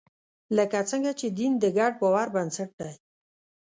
لکه څنګه چې دین د ګډ باور بنسټ دی.